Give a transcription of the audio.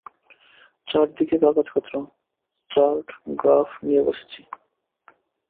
চারদিকে কাগজপত্র, chart, graph নিয়ে বসেছি।